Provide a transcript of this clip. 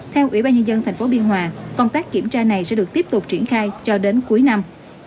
theo ủy ban nhân dân tp biên hòa công tác kiểm tra này sẽ được tiếp tục triển khai cho đến cuối năm